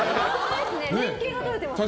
連係が取れていますね。